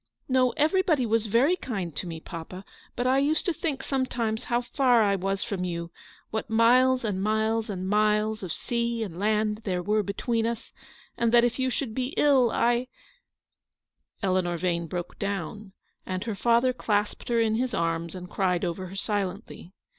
No, everybody was very kind to me, papa; but I used to think sometimes how far I was from you ; what miles and miles and miles of sea and land there were between us, and that if you should be ill — I —" Eleanor Yane broke down, and her father clasped her in his arms, and cried over her silently.